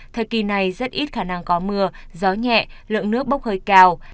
thời kỳ này rất ít khả năng có mưa gió nhẹ lượng nước bốc hơi cao